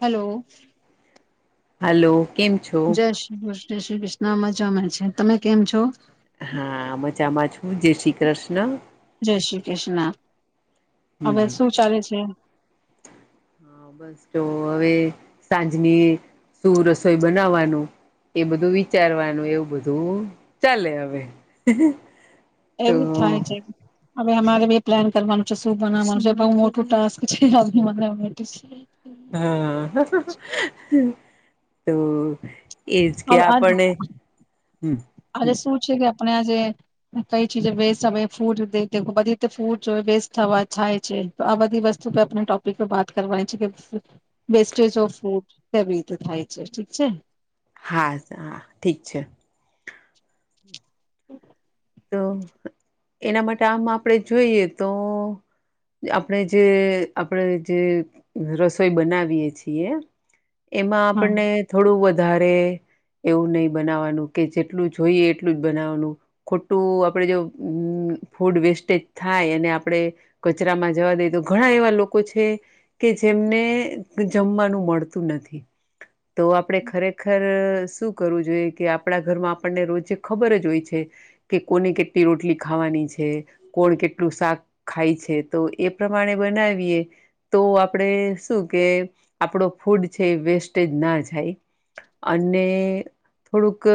Hello hello કેમ છો જય્રી જય જય શ્રી કૃષ્ણમાંજામે છે તમે કેમ છો હા મજામાં છું જય શ્રી કૃષ્ણ જય શ્રી કૃષ્ણ હવે હમ શું ચાલે છે હ બસ તો હવે સાંજની શું રસોઈ બનાવાનું એ બધું વિચારવાનું એવું બધું ચાલે હવે તો એવું જ થાન છે હવે અમારે બ પ્લાન કરવાનું છે શું બનાવવાનું છે બ મોટું ટાસ્ક છે મ હા તો એજ કે આપને હમ અરે હમ શું છે આપણે આ જેે કઈ ચીજ વેસ્ટ હ ફૂડ દેે બધી રીતે ફૂડ જો વેસ્ટવા થાય છે તો આ બધી વસ્તુ આપણે ટોપિક વાત કરવાની છે કે વેસ્ટેજ ઓફ ફૂડ કેવી રીતે થાય છે ઠીક છે હા હા ઠીક છે હમ તો એના માટે આમ આપણેે જોઈએ તો આપણે જે આપણે જે રસોઈ બનાવીએ છીએ એમાં હા આપણને થોડું વધારે એવું નહીિ બનાવવાનું કે જેટલું જોઈએ એટલું જ બનાવાનું ખોટું આપણેે જો ફૂડ વેસ્ટેજ થાય અને આપણે કચરામાં જવા દઈ તો ઘણા એવા લોકો છે કે જેમને જમવાનું મળતું નથી તો આપણે ખરેખર શું કરવું જોઈએ કે આપણા ઘરમાં આપણને રોજ ખબર જ હોય છે કે કોની કેટલી રોટલી ખાવાની છે કોણ કેટલું શાક ખાય છે તો એ પ્રમાણે બનાવીએ તો આપણેે શું કે આપણો ફૂડ છે વેસ્ટેજ ના જાય અને થોડુંક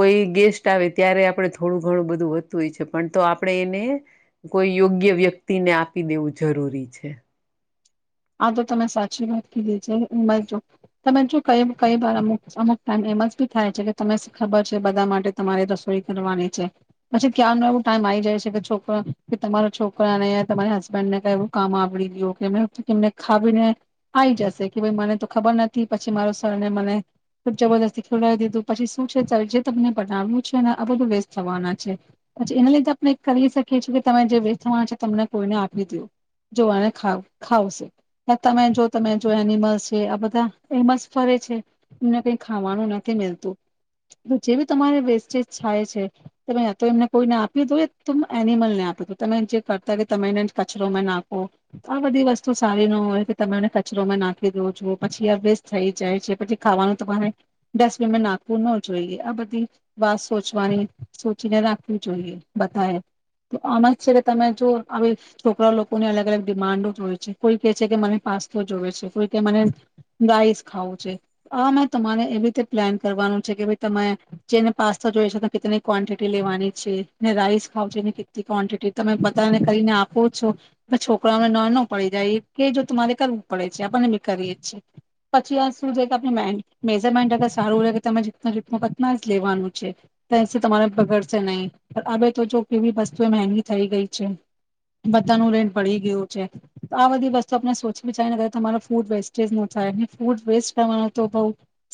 કોઈ ગેસ્ટ આવે ત્યારે આપણે થોડું ઘણું બધું વધતું હોય છે પણ તો આપણે એને કોઈ યોગ્ય વ્યક્તિને આપી દેવું જરૂરી છે આ તો તમે સાચી વાત કીધી છે. [unintelligible] તમે જો કઈ-કઈ વાર અમુક-અમુક ટાઈમ એમ જ બી થાય છે કે તમે ખબર છે બધા માટે તમારે રસોઈ કરવાની છે, પછી ક્યાનો એવું ટાઈમ આવી જાય છે કે છોક કે તમારા છોકરાને, તમારા હસબેન્ડ ને કાઈ કામ આવડી ગયું કે કેમને ખાવીને આઈ જશે, કે ભઈ મને તો ખબર નથી પછી મારો સરને મને ખબ જબરદસ્તી ખવડાવી દીધું, પછી શું છે તારે જે તમને બનાવ્યું છે ને આ બધું વેસ્ટ થવાના છે. પછી એના લીધે આપણે કરી શકીએ છીએ કે તમે જે વેસ્ટ થવાના છે તમને કોઈને આપી દયો, જોવાને ખાવ ખાવશે. ને જો તમે જો તમે જો એનિમલસ હોય આ બધા એમ જ ફરે છે એમને કંઈ ખાવાનું નથી મિલતું. તો જે બી તમારે વેસ્ટેજ થાય છે તમે યા તો એમને કોઈને આપી દો યા તમે એનિમલને આપી દો. તમે જે કરતા [unintelligible] તમે એને કચરોમાં નાખો, આ આ બધી વસ્તુ સારી ન હોય કે તમે એને કચરોમાં નાખી દો છો, પછી આ વેસ્ટ થઈ જાય છે, પછી ખાવાનું તમારે ડસ્ટબિનમાં નાખવું ન જોઈએ. આ બધી વાત સોચવાની સોચીને રાખવી જોઈએ બધાએ. તો આમ જ છે કે તમે જો આવી છોકરા લોકોને અલગ-અલગ ડિમાન્ડો જોઈ છે. કોઈ કે છે કે મને પાસ્તો જોવે છે, કોઈ કે મને રાઈસ ખાવું છે. આ મેં તમારે એવી રીતે પ્લાન કરવાનું છે કે ભાઈ તમે જેને પાસ્તા જોઈ છે તો કેટલી ક્વોન્ટિટી લેવાની છે, ને રાઈસ ખાવું છે એની કેટલી ક્વોન્ટિટી તમે પતાને કરીને આપો છો ને છોકરાઓને ન ન પડી જાય એ જો તમારે કરવું પડે છે. આપણને બી કરીએ જ છી, પછી આ શું છે કે આપ મેજરમેન્ટ અગર સારું રહે કે તમે [unintelligible] જ લેવાનું છે. તો એસે તમારે બગડશે નહીં. હવે તો જો કેવી વસ્તુ એ મહેંઘી થઈ ગઈ છે. બધાનું રેટ બઢી ગયું છે. આ બધી વસ્તુ આપને સોચ વિચારીને તમારો ફૂડ વેસ્ટેજ ન થાય. ને ફૂડ વેસ્ટ કરવાનું તો બહુ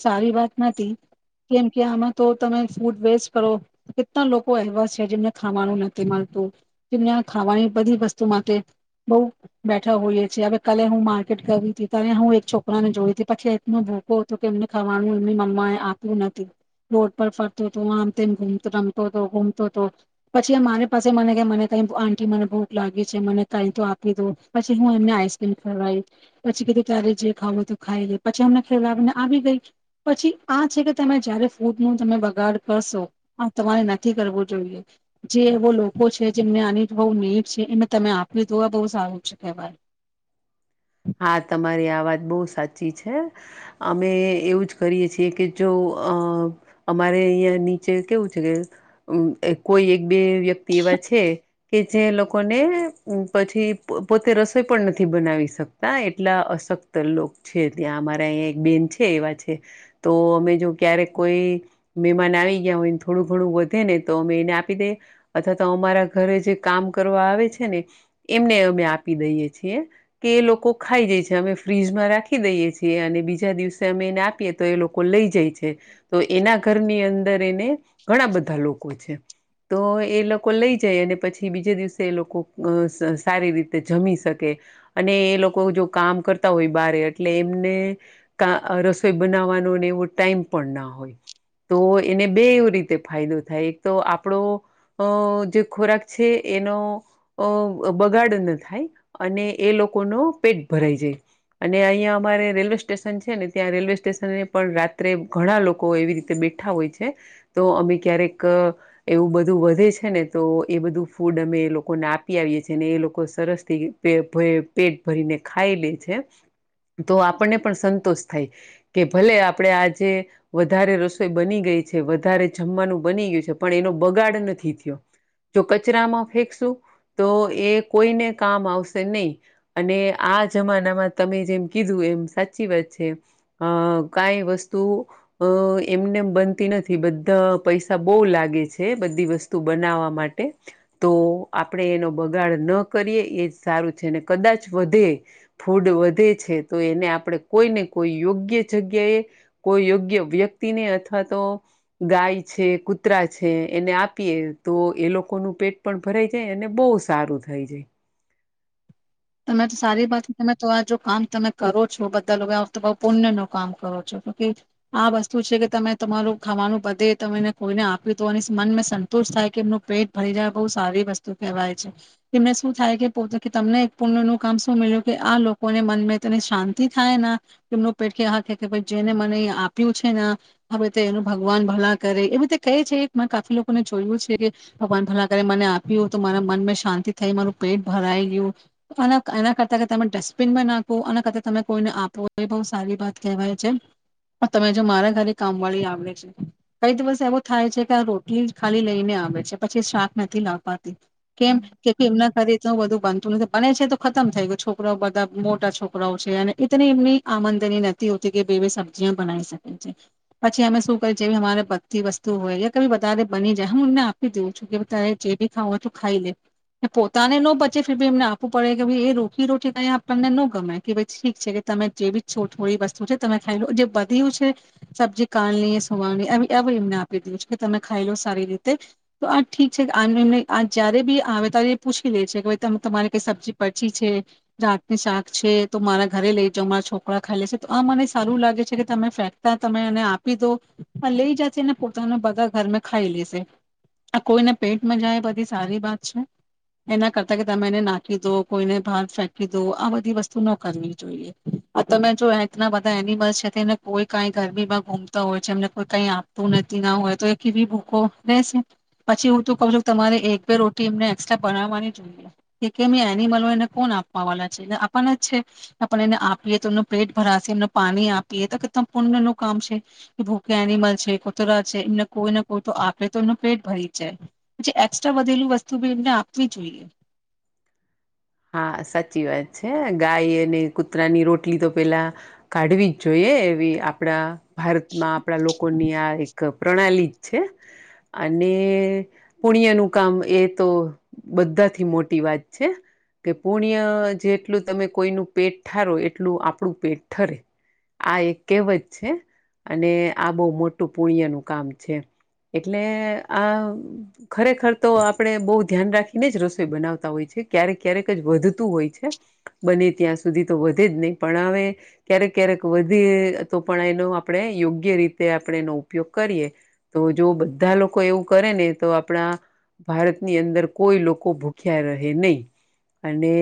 સારી વાત નથી કેમ કે આમાં તો તમે ફૂડ વેસ્ટ કરો. કેટલા લોકો એવા છે કે જેમને ખાવાનું નથી મળતું. જેમને આ ખાવાની બધી વસ્તુ માટે બહું બેઠા હોઈએ છે. હવે કાલે હું માર્કેટ ગઈ તી ત્યારે હું એક છોકરાને જોઈ તી, પછી એ એટલું ભૂકો હતો કે એમને ખાવાનું એમની મમ્મા એ આપ્યું નથી. રોડ પર ફરતું હતું આમ તેમ, રમતો હતો, ઘુમતો તો. પછી મારી પાસે મને કે મને કાઈ આંટી મને ભૂખ લાગી છે મને કાઈ તો આપી દો. પછી હું એમને આઈસક્રીમ ખવરાઈ. પછી કીધું ત્યારે જે ખાવું હોય તું ખાઈ લે. પછી એમને [unintelligible] ને આવી ગઈ. પછી આ છે કે તમે જયારે ફૂડ નું તમે બગાડ કરશો, આ તમારે નથી કરવું જોઈએ. જે એવો લોકો છે જેમને આની બહું નીડ છે એને તમે આપી દો આ બહુ સારું છે. [unintelligible] હા તમારી આ વાત બહુ સાચી છે. અમે એવું જ કરીએ છીએ કે જો અહ અમારે અહીંયા નીચે કેવું છે કે ઉમ્મ કોઈ એક બે વ્યક્ત તી એવા છે કે જે લોકોને પછી પોતે રસોઈ પણ નથી બનાવી શક તા એટલા અશક્ત લોક છે ત્યાં અમારા અહીં એક બેન છે એવા છે, તો અમે જો ક્યારેક કોઈ મહેમાન આવી ગયા હોય થોડું ઘણું વધે ને તો અમે એને આપી દઈ, અથવા તો અમારા ઘરે જે કામ કરવા આવે છે ને એમને અમે આપી દઈએ. છે કે એ લોક કો ખાઈ જાય છે અમે ફ્રીજમાં રાખી દઈએ છીએ, અને બીજા દિવસે અમે એને આપીએ તો એ લોકો લઈ જય છે. તો એના ઘરની અંદર એને ઘણા બધા લોકો છે. તો એ લોકો લઈ જાય અને પછી બીજે દિવસે એ લોકો અહ અહ સારી રીતે જમી શકે, અને એ લોક કો જો કામ કરતા હોય બારે એટલે એમને કા અહ રસોઈ બનાવવાનોને એવો ટાઈમ પણ ન હોય, તો એને બેઉં રીતે ફાયદો થાય. તો આપણો અહ જે ખોરાક છે એનો અહ બગાડ ન થાય અને એ લોકોનો પેટ ભરાઈ જાય. અને અહીંયા અમારે રેલવે સ્ટેશન છે ને ત્યાં રેલવે સ્ટેશન એ પણ રાત્રે ઘણા લોકો એવી રીતે બેઠા હોય છે, તો અમે ક્યારેક એવું બધું વધે છે ને તો એ બધું ફૂડ અમે એ લોકોને આપી આવીએ છી, અને એ લોકો સરસ [unintelligible] પેટ ભરીને ખાઈ લે છે. તો આપણને પણ સંતોષ થાય કે ભલે આપડે આજે વધારે રસોઈ બની ગઈ છે, વધારે જમવાનું બની ગયું છે પણ એનો બગાડ નથી થયો. જો કચરામાં ફેંકશું તો એ કોઈને કામ આવશે નહી. અને આ જમાનામાં તમે જેમ કીધું એમ સાચી વાત છે અહ કાઈ વસ્તુ અહ એમનેમ બનતી નથી. બધા પૈસા બહુ લાગે છે બધી વસ્તુ બનાવવા માટે, તો આપણે એનો બગાડ ન કરીએ એ જ સારું છેને કદાચ વધે ફૂડ વધે છે તો એને આપણે કોઈને કોઈ યોગ્ય જગ્યાએ કોઈ યોગ્ય વ્યક્તિને, અથવા તો ગાય છે, કુતરા છે, એને આપીએ તો એ લોકોનું પેટ પણ ભરાઈ જાય અને બહુ સારું થય જાય. તમે સારી બાત તમે તો આ જો કામ તમે કરો છો બધા [unintelligible] આ વખતે બહું પુણ્ય નું કામ કરો છો, તો કે આ વસ્તુ છે કે તમે તમારું ખાવાનું બધે તમે એને કોઈને આપ્યું તું અને સ મન સંતુષ્ટ થાય કે એમનું પેટ ભરી જાય બહુ સારી વસ્તુ કહેવાય છે. એમને શું થાય કે પોતે કે તમને પુણ્ય નું કામ શું [unintelligible] કે આ લોકોને મન મે ઈતને શાંતિ થાય ના, એમનું પેટ કે હા [unintelligible] જેને મને આપ્યું છે ને હવે તે એનું ભગવાન ભલા કરે, એવી રીતે કહે છે. મન કાફી લોકોને જોયું છે કે ભગવાન ભલા કરે મને આપ્યું તો મારા મન શાંતિ થઈ, મારું પેટ ભરાઈ ગયું. આના એના કરતા તમે ડસ્ટબિન મા નાખો, આના કરતા તમે કોઈને આપો તો એ બહું સારી વાત કહેવાય છે. પણ તમે જો મારા ઘરે કામવાળી આવે છે. કઈ દિવસ એવું થાય છે કે આ રોટલી જ ખાલી લઈને આવે છે, પછી શાક નથી લા પાતી, કેમ કે કે એમના ઘરે તો બધું બનતું ન બને છે તો ખતમ થઈ ગયો. છોકરાવ બધા મોટા છોકરાઓ છે અને ઈતની એમની આમંદની નથી હોતી કે બે-બે સબ્જીયા બનાઈ શકે છે. પછી અમે શું કરી જે ભી અમારે બચતી વસ્તુ હોય કે કભી વધારે બની જાય હું એમને આપી દઉં છું. કે તારે જે બી ખાવું હોય તું ખાઈ લે ને પોતાને ને ન બચે ફીર બી એમને આપ પવું પડે કે ભઈ એ રોટી રોટી આપણને ન ગમે, કે ભઈ છીક છે કે તમે જે બી છો થોડી વસ્તુ છે તમે ખાઈ લો. જે બધીયું છે સબ્જી કાલની, સવારની એવ એવ એમને આપી દીધું છે કે તમે ખાઈ લો સારી રીતે. તો આ ઠીક છે આમ ને ને આ જયારે બી આવે એ ત્યારે પૂછી લે છે કે ભઈ તમ તમારે કે સબ્જી બચી છે, રાતની શાક છે, તો મારા ઘરે લઈ જાવ, મારા છોકરા ખાઈ લેશે. તો આ મને સારું લાગે છે કે તમે ફેંકતા તમે એને આપી દો, પણ લઈ જાજે ને પોતાના બધા ઘર મે ખાઈ લેશે. આ કોઈને પેટમાં જાય એ બધી સારી વાત છે. એના કરતા કે તમે એને ના કઈ દો, કોઈને ભાર ફેંકી દો, આ બધી વસ્તુ ન કરવી જોઈએ. આ તમે જો એકના બધા એનિમલ છે કોઈ કાઈ ગરમીમાં ઘુમતા હોય છે, એમને કોઈ કઈ આપતું નથી, ના હોય તો એ કેવી ભૂખો રહેેશે. પછી હું તો કહું છું તમારે એક બે રોટી એમને એસ્ટ્રા બનાવવાની જોઈએ. કે કેમ એનિમલ હોય એને કોણ આપવા વાલા છે. ને આપણ ના છે, આપણે એને આપીએ તો એમનું પેટ ભરાશે, એમને પાણી આપીએ તો કેત પૂર્ણનું કામ છે. ભૂખ્યા એનિમલ છે, કૂતરા છે એમને કોઈને કોઈ તો આપે તો એમનું પેટ ભરી જાય. પછી એકસ્ટ્રા વધેલું વસ્તુ બી એમને આપવી જોઈએ. હા સાચી વાત છે. ગાય અને કૂતરાની રોટલી તો પેલા કાઢવી જ જોઈએ, એવી આપડા ભારતમાં આપણા લોકોની આ એક પ્રણાલી જ છે. અને પુણ્યનું કામ એ તો બધાથી મોટી વાત છે. કે પુણ્ય જેટલું તમે કોઈનું પેટ ઠારો એટલું આપણું પેટ ઠરે, આ એક કહેવત છે. અને આ બહુ મોટું પુણ્યનું કામ છે એમ. એટલે આ ખરેખર તો આપણે બહુ ધ્યાન રાખીને જ રસોઈ બનાવતા હોય છે. ક્યારેક ક્યારેક જ વધતું હોય છે, બને ત્યાં સુધી તો વધે જ નહીં, પણ હવે ક્યારેક-ક્યારેક વધે તો પણ એનો આપણે યોગ્ય રીતે આપણે એનો ઉપયોગ કરીએ, તો જો બધા લોકો એવું કરે ને તો આપણા ભારતની અંદર કોઈ લોકો ભૂખ્યા રહે નહીં. અને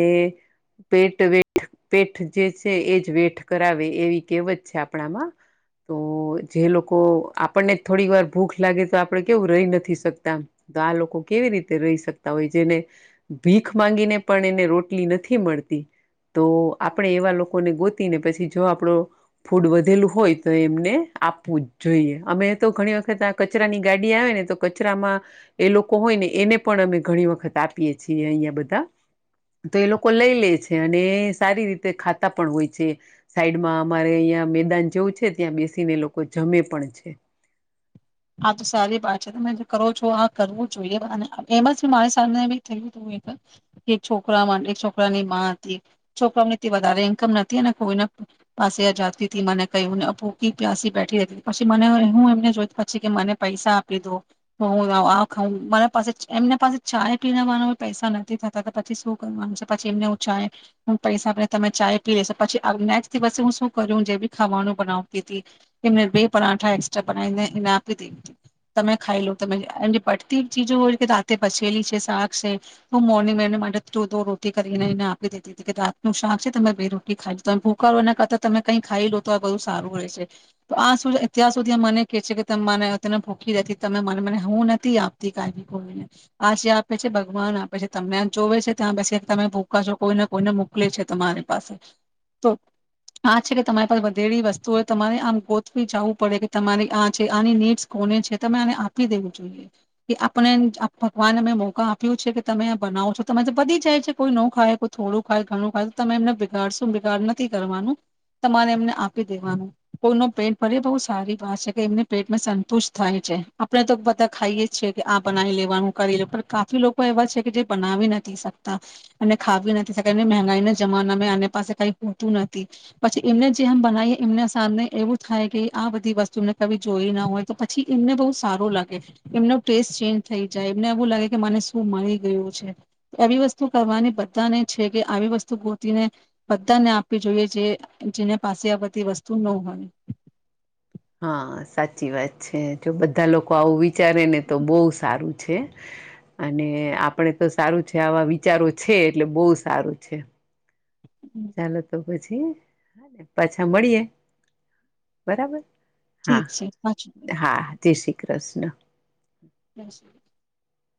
પેટ વેઠ પેઠ જે છે એજ વેઠ કરાવે એવી કહેવત છે આપણામાં. તો જે લોકો આપણને થોડી વાર ભૂખ લાગે તો આપણે કેવું રહી નથી શકતા, તો આ લોકો કેવી રીતે રહી શકતા હોય. જેને ભીખ માંગીને પણ એને રોટલી નથી મળતી, તો આપણે એવા લોકોને ગોતી ને પછી જો આપણો ફૂડ વધેલું હોય તો એમને આપવું જ જોઈએ. અમે તો ઘણી વખત આ કચરાની ગાડી આવે ને તો કચરામાં એ લોકો હોય ને એને પણ અમે ઘણી વખત આપીએ છીએ અહીંયા બધા. તો એ લોકો લઈ લે છે અને સારી રીતે ખાતા પણ હોય છે. સાઈડમાં અમારે અહિયાં મેદાન જેવું છે ત્યાં બેસીને એ લોકો જમે પણ છે. આ તો સારી બાત છે. તમે કરો છો આ કરવું જોઈએ. [inaudible] એમાં છે મારે [unintelligible] એક છોકરા માટે એક છોકરાની માં હતી. છોકરાને તે વધારે ઈન્કમ નથી અને કોઈના પાસે આ જાતિથી મને કયને હું ભૂખી, પ્યાસી બેઠી હતી. પછી મને હું એમને જોઈ પછી કે મને પૈસા આપી દો હું આ ખાઉં મારા પાસે એમને પાસે ચાય પીનાવાના પૈસા નથી થતા તો પછી શું કરવાનું છે. પછી એમને હું ચાય હું પૈસા આપી તમે ચાય પી લેેશો. પછી આવ નેક્સ્ટ દિવસે હું શું કરું જે બી ખાવાનું બનાવતી તી, એમને બે પરાઠા એકસ્ટ્રા બનાવીને એને આ તી તી. તમે ખાઈ લો તમે. એટલે પડતી ચીજો હોય છે કે રાતે પછેલી છે, શાક છે, હું મોર્નિંગ એને માટે દો-દો રોટી કરીને એને આપી દેતી હતી કે રાતનું શાક છે, તમે બે રોટી ખાઈ [unintelligible] ભૂકા રો એના કરતા તમે કઈ ખાઈ લો તો આ બધુ સારું રહે છે. તો આ સુધ અત્યાર સુધી એ મને કે છે કે તમ મને તને ભૂખી રહેતી, તમે મને મને હું નથી આપતી કાઈ નહી કોઈને, આ જે આપે છે ભગવાન આપે છે તમને. આ જોવે છે ત્યાં બેસી તમે ભૂકા છો કોઈને કોઈને મોકલે છે તમારી પાસે, તો આ છે કે તમારી પાહે વધેલી વસ્તુઓ હોય તમારે આમ ગોતવી જવું પડે કે તમારે આ છે, આની નીડ્સ કોને છે. તમે આને આપી દેવું જોઈએ. કે આપને આ ભગવાને અમે મોકા આપ્યું છે કે તમે આ બનાવો છો, તમે તો પતી જાય છે, કોઈ ન ખાય હકો, થોડું ખાય, ઘણું ખાય તો તમે એમને બિગાડશો બિગાડ નથી કરવાનું. તમારે એમને આપી દેવાનું. કોઈનો પેટ ભરે બહુ સારી વાત છે કે એમને પેટમાં સંતુષ્ટ થાય છે. આપણે તો બધા ખાઈએ જ છે કે આ બનાવી લેવાનું કરી લો, પણ કાફી લોકો એવા છે કે જે બનાવી નથી શકતા, અને ખાવી નથી શકતા, એ મહંગાઈના જમાનામાં આને પાસે કાઈક હોતું નથી. પછી એમને જેમ બનાવી એમના સામને એવું થાય કે આ બધી વસ્તુને કભી જોઈ ના હોય તો પછી એમને બહુ સારો લાગે. એમનો ટેસ્ટ ચેન્જ થઈ જાય એમને એવું લાગે કે મને શું મળી ગયું છે. એવી વસ્તુ કરવાની બધાને છે કે આવી વસ્તુ ગોતીને બધાને આપવી જોઈએ જે જેને પાસે આ બધી વસ્તુ ન હોય. હા સાચી વાત છે જો બધા લોકો આવું વિચારે ને તો બહુ સારું છે અને આપણે તો સારું છે આવા વિચારો છે એટલે બહુ સારું છે. ચાલો તો. પછી પાછા મળીએે બરાબર. હા ઠીક છે પાછું હા જય શ્રી કૃષ્ પ્રશ્ન [unintelligible]